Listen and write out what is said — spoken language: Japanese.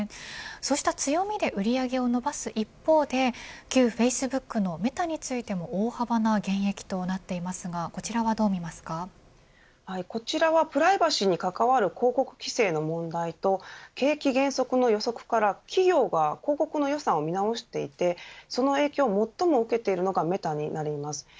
そうした強みで売り上げを伸ばす一方で旧フェイスブックのメタについても大幅な減益となっていますがこちらはプライバシーに関わる広告規制の問題と景気減速の予測から企業が広告の予算を見直していてその影響を最も受けているのがメタになります。